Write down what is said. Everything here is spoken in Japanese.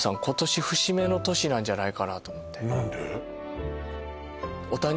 今年節目の年なんじゃないかなと思って何で？